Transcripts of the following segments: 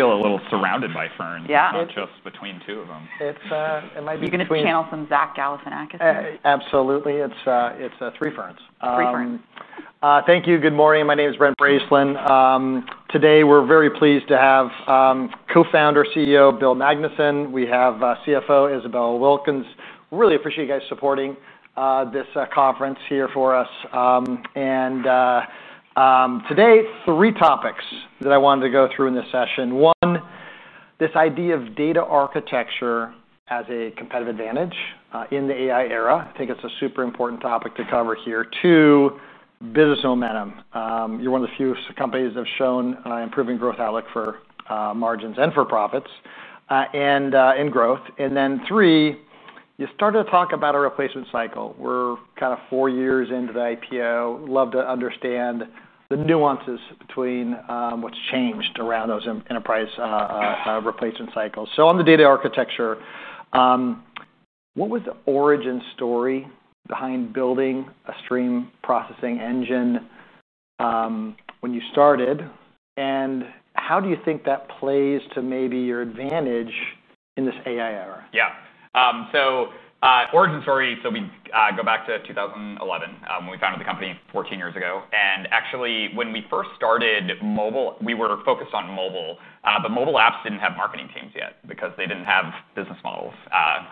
Feel a little surrounded by ferns. Yeah. Not just between two of them. It might be between channels and Zach Galifianakis. Absolutely. It's three ferns. Three ferns. Thank you. Good morning. My name is Brent Bracelin. Today, we're very pleased to have Co-founder and CEO Bill Magnuson. We have CFO Isabelle Winkles. Really appreciate you guys supporting this conference here for us. Today, three topics that I wanted to go through in this session. One, this idea of data architecture as a competitive advantage in the AI era. I think it's a super important topic to cover here. Two, business momentum. You're one of the few companies that have shown an improving growth outlook for margins and for profits and in growth. Three, you started to talk about a replacement cycle. We're kind of four years into the IPO. Love to understand the nuances between what's changed around those enterprise replacement cycles. On the data architecture, what was the origin story behind building a stream processing engine when you started? How do you think that plays to maybe your advantage in this AI era? Yeah. Origin story, we go back to 2011 when we founded the company 14 years ago. Actually, when we first started, we were focused on mobile. Mobile apps didn't have marketing teams yet because they didn't have business models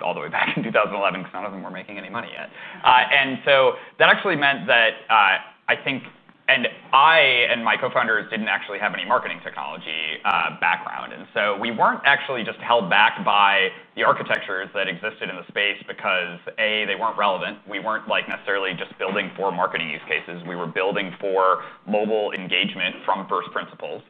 all the way back in 2011 because none of them were making any money yet. That actually meant that I think, and I and my co-founders didn't actually have any marketing technology background. We weren't just held back by the architectures that existed in the space because, A, they weren't relevant. We weren't necessarily just building for marketing use cases. We were building for mobile engagement from first principles.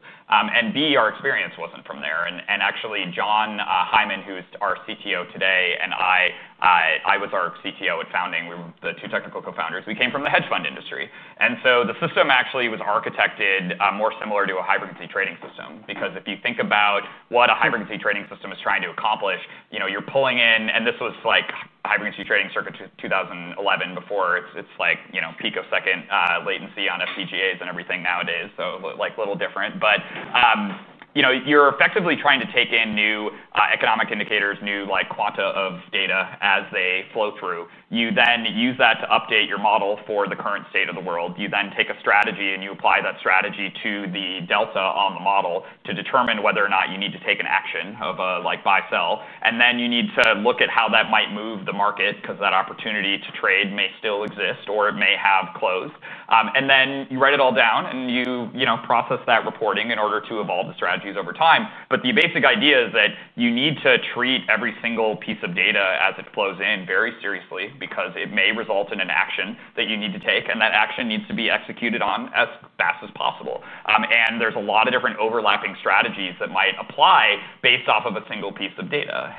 B, our experience wasn't from there. Actually, Jon Hyman, who is our CTO today, and I, I was our CTO at founding, we were the two technical co-founders. We came from the hedge fund industry. The system actually was architected more similar to a high-frequency trading system because if you think about what a high-frequency trading system is trying to accomplish, you're pulling in, and this was like a high-frequency trading circuit in 2011 before its peak of second latency on FCGAs and everything nowadays, so a little different. You're effectively trying to take in new economic indicators, new quanta of data as they flow through. You then use that to update your model for the current state of the world. You then take a strategy and you apply that strategy to the delta on the model to determine whether or not you need to take an action of a buy-sell. You need to look at how that might move the market because that opportunity to trade may still exist or it may have closed. You write it all down and you process that reporting in order to evolve the strategies over time. The basic idea is that you need to treat every single piece of data as it flows in very seriously because it may result in an action that you need to take. That action needs to be executed on as fast as possible. There are a lot of different overlapping strategies that might apply based off of a single piece of data.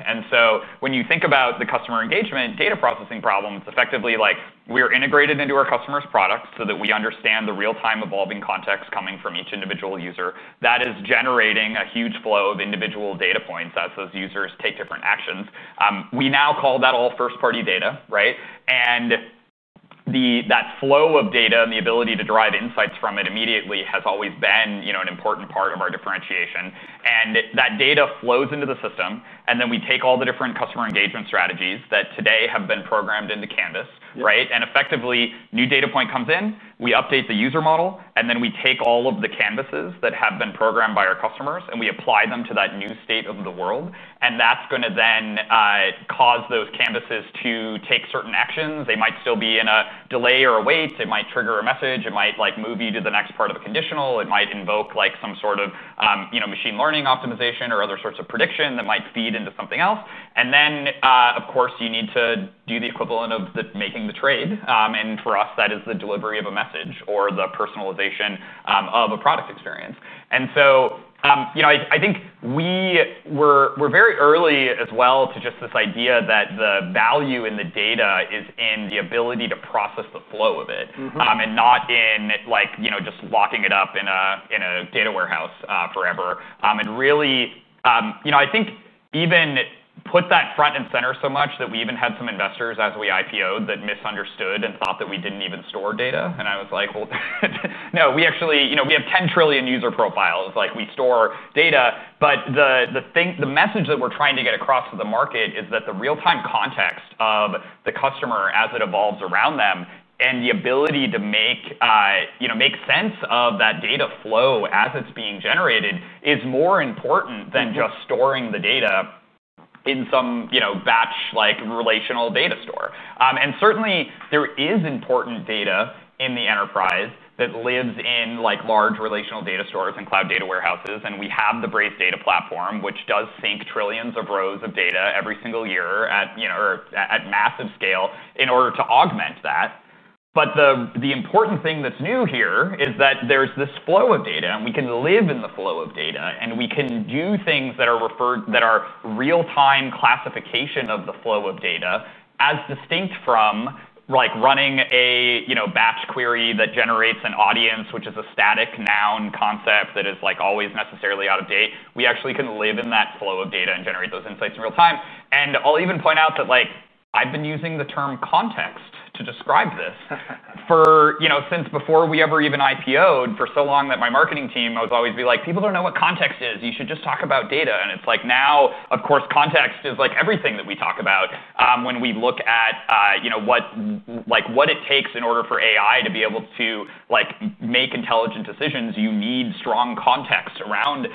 When you think about the customer engagement data processing problem, it's effectively like we're integrated into our customer's products so that we understand the real-time evolving context coming from each individual user that is generating a huge flow of individual data points as those users take different actions. We now call that all first-party data, right? That flow of data and the ability to derive insights from it immediately has always been an important part of our differentiation. That data flows into the system, and then we take all the different customer engagement strategies that today have been programmed into Canvas, right? Effectively, new data point comes in, we update the user model, and then we take all of the canvases that have been programmed by our customers and we apply them to that new state of the world. That's going to then cause those canvases to take certain actions. They might still be in a delay or a wait. They might trigger a message. It might move you to the next part of a conditional. It might invoke some sort of machine learning optimization or other sorts of prediction that might feed into something else. Of course, you need to do the equivalent of making the trade. For us, that is the delivery of a message or the personalization of a product experience. I think we were very early as well to just this idea that the value in the data is in the ability to process the flow of it and not in just locking it up in a data warehouse forever. I think even put that front and center so much that we even had some investors as we IPO that misunderstood and thought that we didn't even store data. I was like, no, we actually, we have 10 trillion user profiles. We store data. The message that we're trying to get across to the market is that the real-time context of the customer as it evolves around them and the ability to make sense of that data flow as it's being generated is more important than just storing the data in some batch like relational data store. Certainly, there is important data in the enterprise that lives in large relational data stores and cloud data warehouses. We have the Braze Data Platform, which does sync trillions of rows of data every single year at massive scale in order to augment that. The important thing that's new here is that there's this flow of data, and we can live in the flow of data. We can do things that are real-time classification of the flow of data as distinct from running a batch query that generates an audience, which is a static noun concept that is always necessarily out of date. We actually can live in that flow of data and generate those insights in real time. I'll even point out that I've been using the term context to describe this for, you know, since before we ever even IPOed, for so long that my marketing team was always like, people don't know what context is. You should just talk about data. Now, of course, context is everything that we talk about when we look at what it takes in order for AI to be able to make intelligent decisions. You need strong context around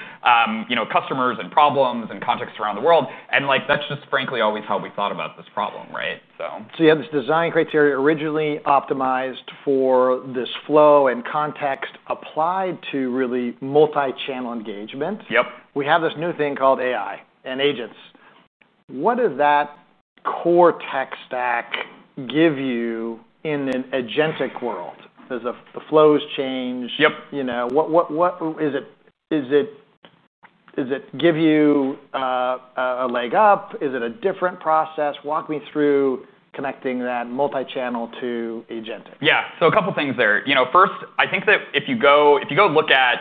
customers and problems and context around the world. That's just frankly always how we thought about this problem, right? You have this design criteria originally optimized for this flow and context applied to really multi-channel engagement. Yep. We have this new thing called AI and agents. What does that core tech stack give you in an agentic world? Do the flows change? Yep. What is it? Does it give you a leg up? Is it a different process? Walk me through connecting that multi-channel to agentic. Yeah, a couple of things there. First, I think that if you go look at,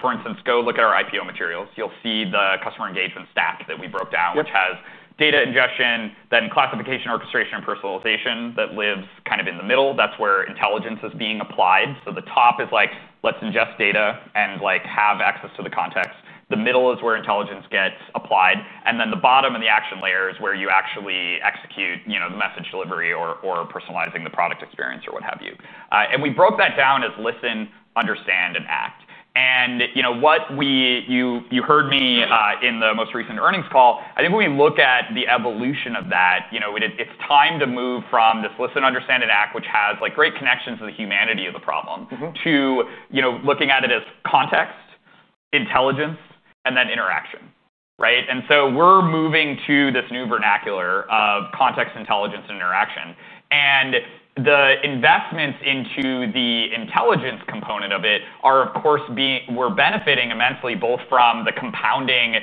for instance, our IPO materials, you'll see the customer engagement stack that we broke down, which has data ingestion, then classification, orchestration, and personalization that lives kind of in the middle. That's where intelligence is being applied. The top is like, let's ingest data and have access to the context. The middle is where intelligence gets applied. The bottom and the action layer is where you actually execute, you know, the message delivery or personalizing the product experience or what have you. We broke that down as listen, understand, and act. You heard me in the most recent earnings call. I think when we look at the evolution of that, it's time to move from this listen, understand, and act, which has great connections to the humanity of the problem, to looking at it as context, intelligence, and then interaction, right? We're moving to this new vernacular of context, intelligence, and interaction. The investments into the intelligence component of it are, of course, we're benefiting immensely both from the compounding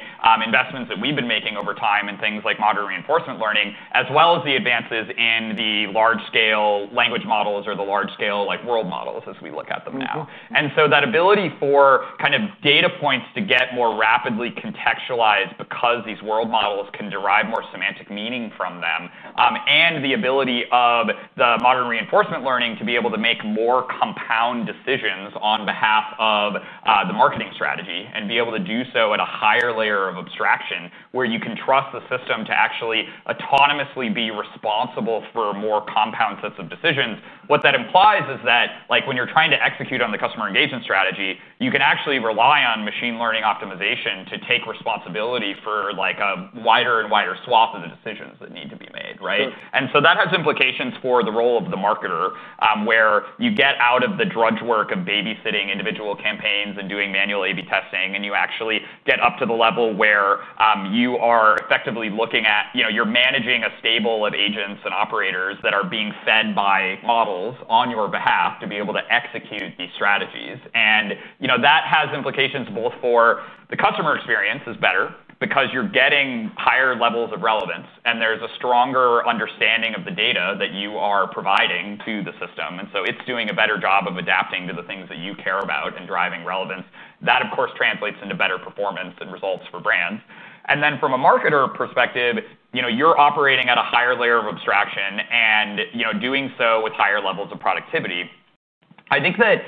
investments that we've been making over time in things like model reinforcement learning, as well as the advances in the large-scale language models or the large-scale world models as we look at them now. That ability for data points to get more rapidly contextualized because these world models can derive more semantic meaning from them, and the ability of the modern reinforcement learning to be able to make more compound decisions on behalf of the marketing strategy and be able to do so at a higher layer of abstraction where you can trust the system to actually autonomously be responsible for more compound sets of decisions. What that implies is that when you're trying to execute on the customer engagement strategy, you can actually rely on machine learning optimization to take responsibility for a wider and wider swath of the decisions that need to be made, right? That has implications for the role of the marketer where you get out of the drudge work of babysitting individual campaigns and doing manual A/B testing, and you actually get up to the level where you are effectively looking at, you know, you're managing a stable of agents and operators that are being fed by models on your behalf to be able to execute these strategies. That has implications both for the customer experience because you're getting higher levels of relevance, and there's a stronger understanding of the data that you are providing to the system. It is doing a better job of adapting to the things that you care about and driving relevance. That, of course, translates into better performance and results for brands. From a marketer perspective, you're operating at a higher layer of abstraction and doing so with higher levels of productivity. I think that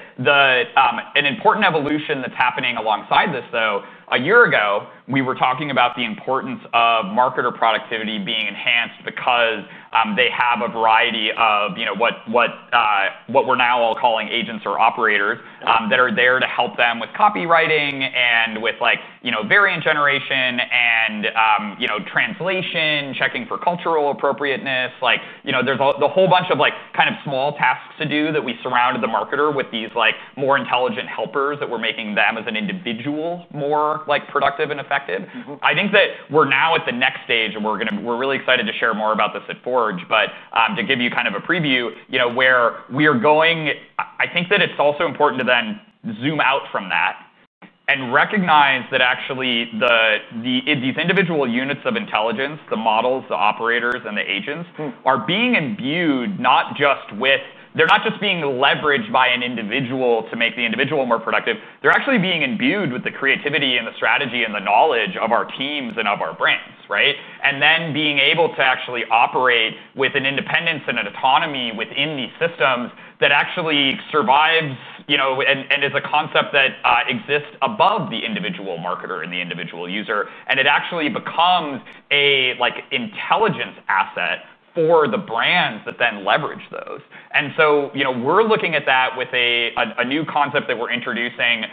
an important evolution that's happening alongside this, though, a year ago, we were talking about the importance of marketer productivity being enhanced because they have a variety of, you know, what we're now all calling agents or operators that are there to help them with copywriting and with, like, variant generation and, you know, translation, checking for cultural appropriateness. There is a whole bunch of small tasks to do that we surrounded the marketer with these more intelligent helpers that were making them as an individual more productive and effective. I think that we're now at the next stage and we're really excited to share more about this at Forge. To give you kind of a preview, where we are going, I think that it's also important to then zoom out from that and recognize that actually these individual units of intelligence, the models, the operators, and the agents are being imbued not just with, they're not just being leveraged by an individual to make the individual more productive. They are actually being imbued with the creativity and the strategy and the knowledge of our teams and of our brands, right? Then being able to actually operate with an independence and an autonomy within these systems that actually survives and is a concept that exists above the individual marketer and the individual user. It actually becomes an intelligence asset for the brands that then leverage those. We're looking at that with a new concept that we're introducing,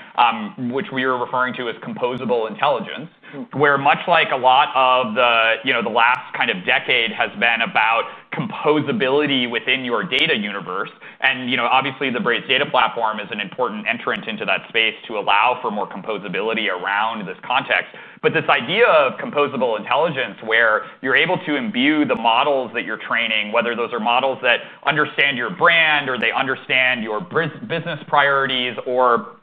which we are referring to as composable intelligence, where much like a lot of the last kind of decade has been about composability within your data universe. Obviously, the Braze Data Platform is an important entrant into that space to allow for more composability around this context. This idea of composable intelligence is where you're able to imbue the models that you're training, whether those are models that understand your brand or they understand your business priorities or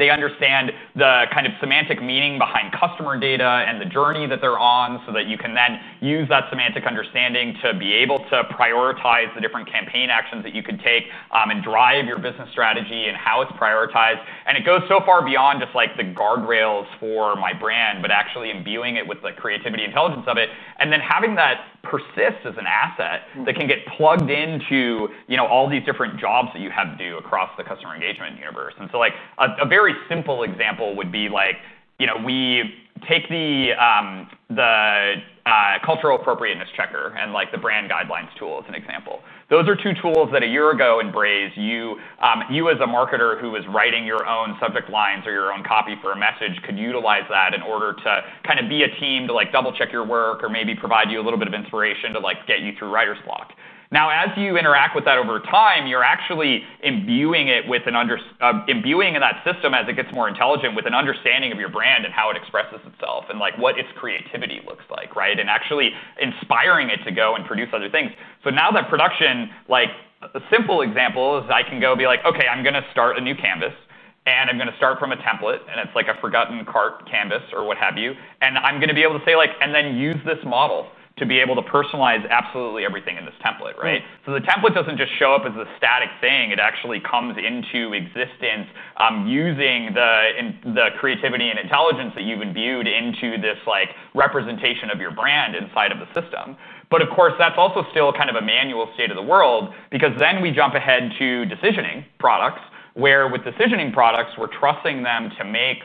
they understand the kind of semantic meaning behind customer data and the journey that they're on, so that you can then use that semantic understanding to be able to prioritize the different campaign actions that you could take and drive your business strategy and how it's prioritized. It goes so far beyond just the guardrails for my brand, actually imbuing it with the creativity and intelligence of it, and then having that persist as an asset that can get plugged into all these different jobs that you have to do across the customer engagement universe. A very simple example would be, we take the cultural appropriateness checker and the brand guidelines tool as an example. Those are two tools that a year ago in Braze, you as a marketer who was writing your own subject lines or your own copy for a message could utilize in order to be a team to double check your work or maybe provide you a little bit of inspiration to get you through writer's block. Now, as you interact with that over time, you're actually imbuing that system as it gets more intelligent with an understanding of your brand and how it expresses itself and what its creativity looks like, right? Actually inspiring it to go and produce other things. Now that production, a simple example is I can go be like, okay, I'm going to start a new canvas and I'm going to start from a template and it's like a forgotten cart canvas or what have you. I'm going to be able to say, and then use this model to be able to personalize absolutely everything in this template, right? The template doesn't just show up as a static thing. It actually comes into existence using the creativity and intelligence that you've imbued into this representation of your brand inside of the system. Of course, that's also still kind of a manual state of the world because then we jump ahead to decisioning products where, with decisioning products, we're trusting them to make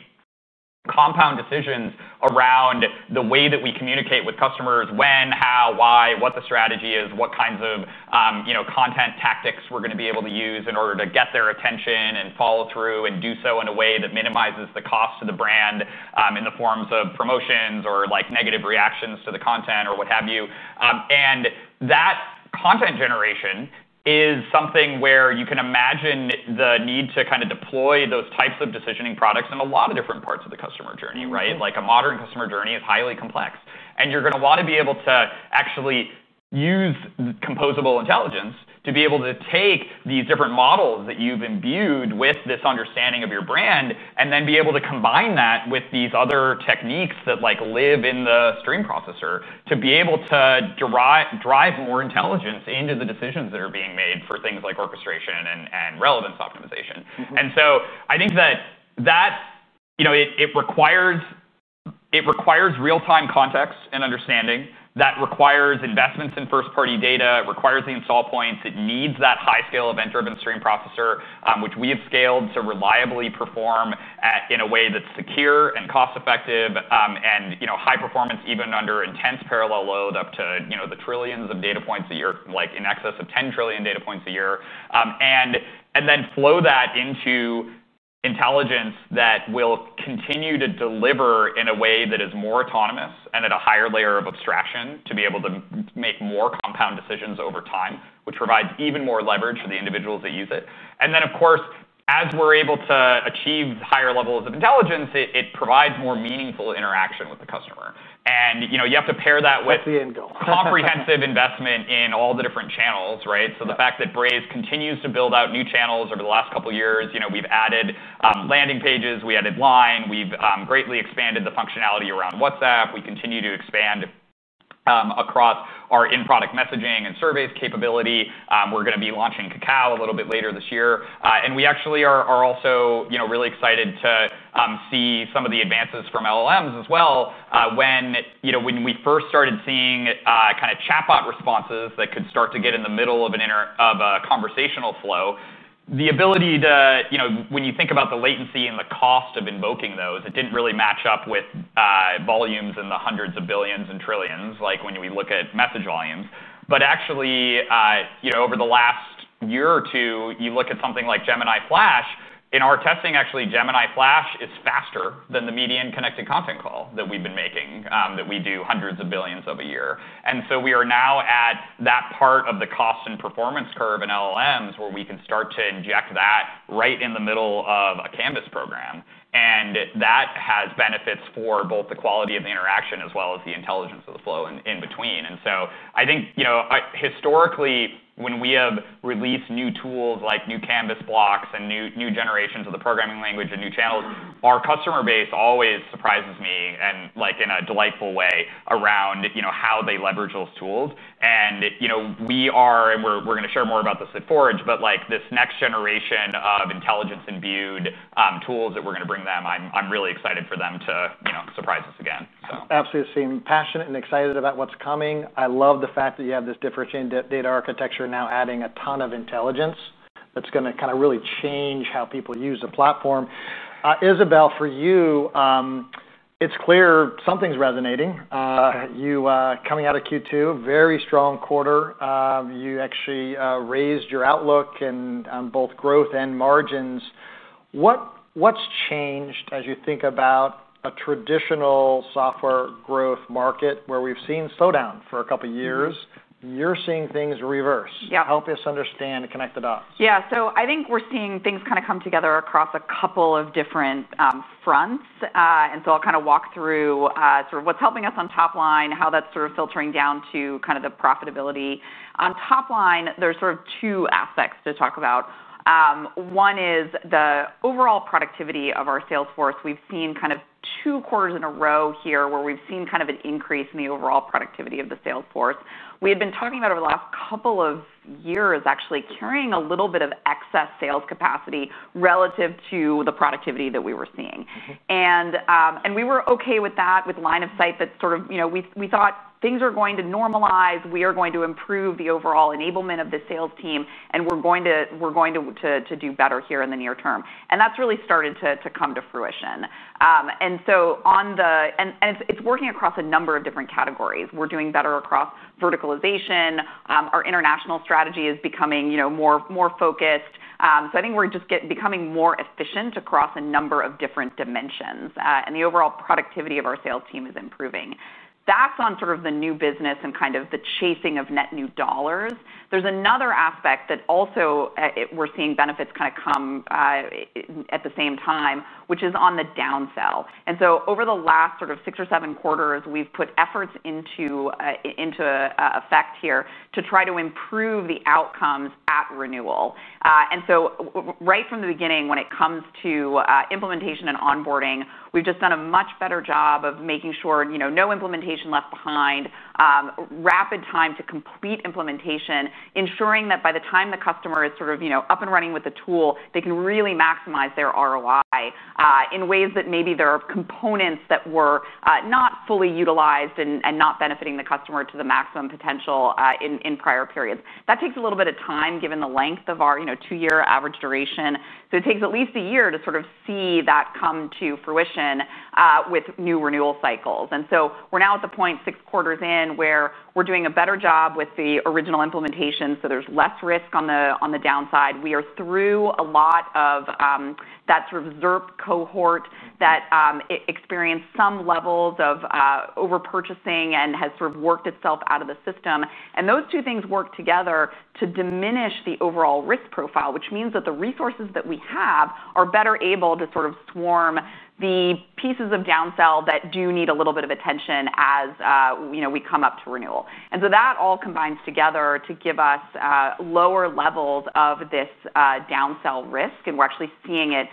compound decisions around the way that we communicate with customers: when, how, why, what the strategy is, what kinds of content tactics we're going to be able to use in order to get their attention and follow through, and do so in a way that minimizes the cost to the brand in the forms of promotions or negative reactions to the content or what have you. That content generation is something where you can imagine the need to deploy those types of decisioning products in a lot of different parts of the customer journey. A modern customer journey is highly complex, and you're going to want to be able to actually use composable intelligence to be able to take these different models that you've imbued with this understanding of your brand and then be able to combine that with these other techniques that live in the stream processor to be able to drive more intelligence into the decisions that are being made for things like orchestration and relevance optimization. I think that requires real-time context and understanding that requires investments in first-party data, requires the install points. It needs that high-scale event-driven stream processor, which we have scaled to reliably perform in a way that's secure and cost-effective and high performance even under intense parallel load up to the trillions of data points a year, like in excess of 10 trillion data points a year. Then flow that into intelligence that will continue to deliver in a way that is more autonomous and at a higher layer of abstraction to be able to make more compound decisions over time, which provides even more leverage for the individuals that use it. As we're able to achieve higher levels of intelligence, it provides more meaningful interaction with the customer. You have to pair that with comprehensive investment in all the different channels. The fact that Braze continues to build out new channels over the last couple of years, we've added landing pages, we added Line, we've greatly expanded the functionality around WhatsApp. We continue to expand across our in-product messaging and surveys capability. We're going to be launching Kakao a little bit later this year. We actually are also really excited to see some of the advances from large language models as well. When we first started seeing kind of chatbot responses that could start to get in the middle of a conversational flow, the ability to, when you think about the latency and the cost of invoking those, it didn't really match up with volumes in the hundreds of billions and trillions, like when we look at message volumes. Over the last year or two, you look at something like Gemini Flash. In our testing, actually, Gemini Flash is faster than the median connected content call that we've been making, that we do hundreds of billions of a year. We are now at that part of the cost and performance curve in large language models where we can start to inject that right in the middle of a Canvas program. That has benefits for both the quality of the interaction as well as the intelligence of the flow in between. I think historically, when we have released new tools like new Canvas blocks and new generations of the programming language and new channels, our customer base always surprises me in a delightful way around how they leverage those tools. We're going to share more about this at Forge, but this next generation of intelligence-imbued tools that we're going to bring them, I'm really excited for them to surprise us again. Absolutely. You seem passionate and excited about what's coming. I love the fact that you have this differentiated data architecture now adding a ton of intelligence that's going to really change how people use the platform. Isabelle, for you, it's clear something's resonating. You coming out of Q2, very strong quarter. You actually raised your outlook in both growth and margins. What's changed as you think about a traditional software growth market where we've seen slowdown for a couple of years? You're seeing things reverse. Yeah. Help us understand and connect the dots. Yeah. I think we're seeing things kind of come together across a couple of different fronts. I'll walk through what's helping us on top line, how that's filtering down to the profitability. On top line, there are two aspects to talk about. One is the overall productivity of our sales force. We've seen two quarters in a row here where we've seen an increase in the overall productivity of the sales force. We had been talking about over the last couple of years, actually carrying a little bit of excess sales capacity relative to the productivity that we were seeing. We were okay with that, with line of sight that, you know, we thought things are going to normalize. We are going to improve the overall enablement of the sales team. We're going to do better here in the near term. That's really started to come to fruition. It's working across a number of different categories. We're doing better across verticalization. Our international strategy is becoming more focused. I think we're just becoming more efficient across a number of different dimensions, and the overall productivity of our sales team is improving. That's on the new business and the chasing of net new dollars. There's another aspect that we're seeing benefits come at the same time, which is on the downsell. Over the last six or seven quarters, we've put efforts into effect here to try to improve the outcomes at renewal. Right from the beginning, when it comes to implementation and onboarding, we've just done a much better job of making sure no implementation left behind, rapid time to complete implementation, ensuring that by the time the customer is up and running with the tool, they can really maximize their ROI in ways that maybe there are components that were not fully utilized and not benefiting the customer to the maximum potential in prior periods. That takes a little bit of time given the length of our two-year average duration. It takes at least a year to see that come to fruition with new renewal cycles. We're now at the point six quarters in where we're doing a better job with the original implementation, so there's less risk on the downside. We are through a lot of that sort of ZERP cohort that experienced some levels of overpurchasing and has sort of worked itself out of the system. Those two things work together to diminish the overall risk profile, which means that the resources that we have are better able to sort of swarm the pieces of downsell that do need a little bit of attention as, you know, we come up to renewal. That all combines together to give us lower levels of this downsell risk. We're actually seeing it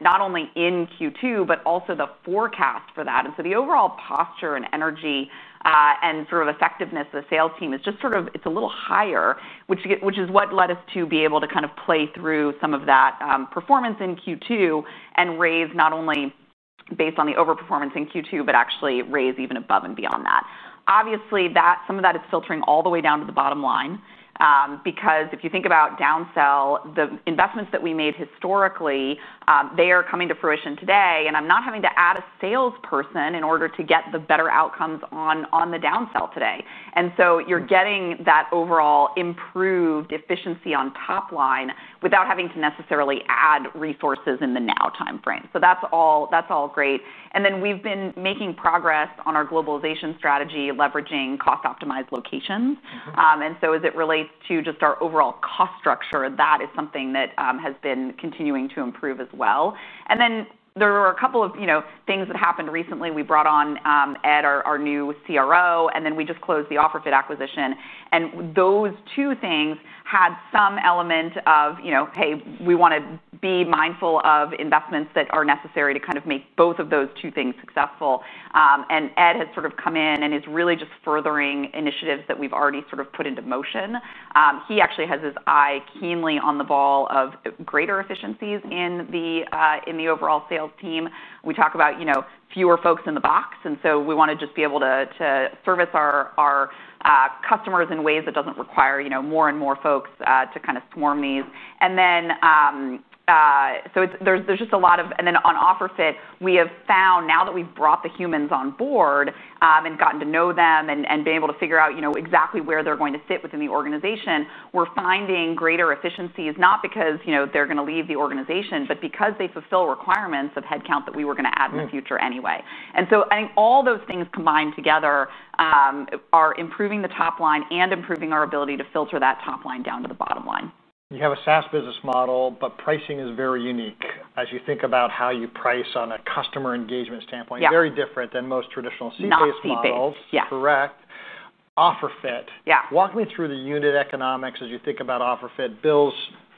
not only in Q2, but also the forecast for that. The overall posture and energy and sort of effectiveness of the sales team is just sort of, it's a little higher, which is what led us to be able to kind of play through some of that performance in Q2 and raise not only based on the overperformance in Q2, but actually raise even above and beyond that. Obviously, some of that is filtering all the way down to the bottom line because if you think about downsell, the investments that we made historically, they are coming to fruition today. I'm not having to add a salesperson in order to get the better outcomes on the downsell today. You're getting that overall improved efficiency on top line without having to necessarily add resources in the now timeframe. That's all great. We've been making progress on our globalization strategy, leveraging cost-optimized locations. As it relates to just our overall cost structure, that is something that has been continuing to improve as well. There were a couple of, you know, things that happened recently. We brought on Ed, our new CRO, and we just closed the OfferFit acquisition. Those two things had some element of, you know, hey, we want to be mindful of investments that are necessary to kind of make both of those two things successful. Ed has sort of come in and is really just furthering initiatives that we've already sort of put into motion. He actually has his eye keenly on the ball of greater efficiencies in the overall sales team. We talk about, you know, fewer folks in the box. We want to just be able to service our customers in ways that don't require, you know, more and more folks to kind of swarm these. There is just a lot of, on OfferFit, we have found now that we've brought the humans on board and gotten to know them and been able to figure out exactly where they're going to sit within the organization. We're finding greater efficiencies, not because they're going to leave the organization, but because they fulfill requirements of headcount that we were going to add in the future anyway. I think all those things combined together are improving the top line and improving our ability to filter that top line down to the bottom line. You have a SaaS business model, but pricing is very unique as you think about how you price on a customer engagement standpoint. Very different than most traditional CPA models. Yeah. Correct? Yeah. Offer fit. Yeah. Walk me through the unit economics as you think about OfferFit. Bill's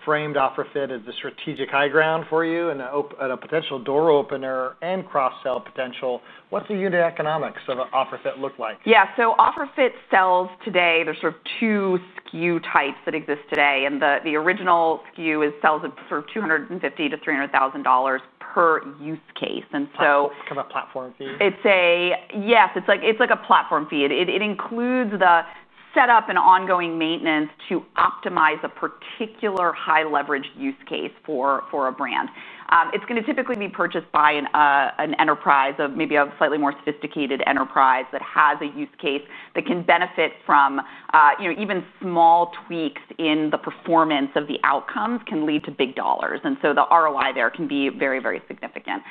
framed OfferFit as the strategic high ground for you and a potential door opener and cross-sell potential. What's the unit economics of OfferFit look like? Yeah. OfferFit sells today, there's sort of two SKU types that exist today. The original SKU sells at $250,000 to $300,000 per use case. What's kind of a platform fee? Yes, it's like a platform fee. It includes the setup and ongoing maintenance to optimize a particular high leverage use case for a brand. It's going to typically be purchased by an enterprise, maybe a slightly more sophisticated enterprise that has a use case that can benefit from, you know, even small tweaks in the performance of the outcomes can lead to big dollars. The ROI there can be very, very significant.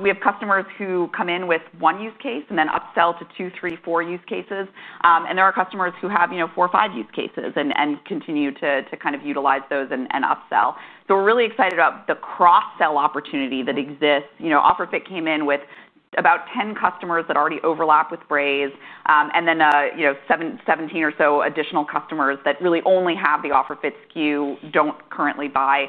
We have customers who come in with one use case and then upsell to two, three, four use cases. There are customers who have, you know, four or five use cases and continue to kind of utilize those and upsell. We're really excited about the cross-sell opportunity that exists. OfferFit came in with about 10 customers that already overlap with Braze, and then 17 or so additional customers that really only have the OfferFit SKU. They don't currently buy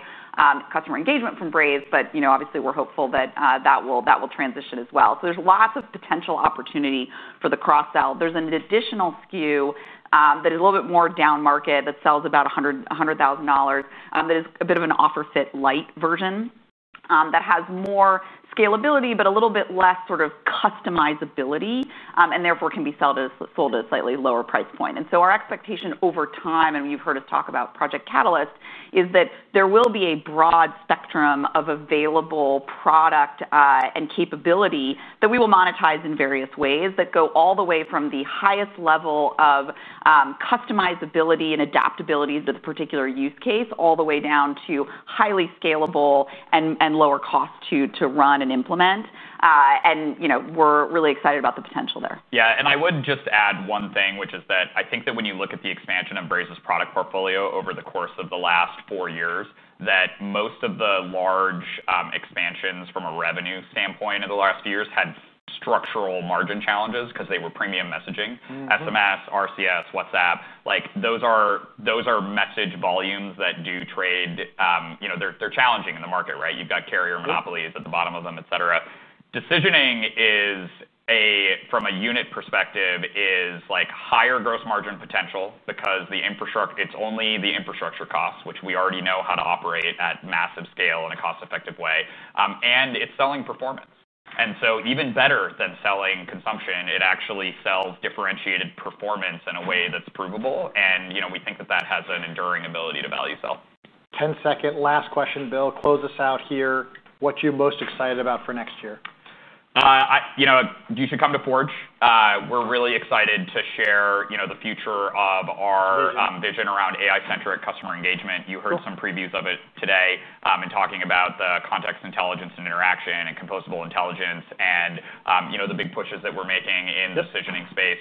customer engagement from Braze, but obviously we're hopeful that that will transition as well. There's lots of potential opportunity for the cross-sell. There's an additional SKU that is a little bit more down market that sells at about $100,000. That is a bit of an OfferFit light version that has more scalability, but a little bit less sort of customizability and therefore can be sold at a slightly lower price point. Our expectation over time, and you've heard us talk about Project Catalyst, is that there will be a broad spectrum of available product and capability that we will monetize in various ways that go all the way from the highest level of customizability and adaptability to the particular use case, all the way down to highly scalable and lower cost to run and implement. We're really excited about the potential there. Yeah. I would just add one thing, which is that I think that when you look at the expansion of Braze's product portfolio over the course of the last four years, most of the large expansions from a revenue standpoint in the last few years had structural margin challenges because they were premium messaging, SMS, RCS, WhatsApp. Those are message volumes that do trade, you know, they're challenging in the market, right? You've got carrier monopolies at the bottom of them, etc. Decisioning is, from a unit perspective, higher gross margin potential because it's only the infrastructure costs, which we already know how to operate at massive scale in a cost-effective way. It's selling performance. Even better than selling consumption, it actually sells differentiated performance in a way that's provable. We think that has an enduring ability to value sell. 10 second last question, Bill, close us out here. What are you most excited about for next year? You should come to Forge. We're really excited to share the future of our vision around AI-centric customer engagement. You heard some previews of it today, talking about the context intelligence and interaction and composable intelligence, and the big pushes that we're making in the decisioning space.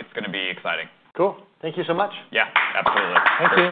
It's going to be exciting. Cool. Thank you so much. Yeah, absolutely. Thank you.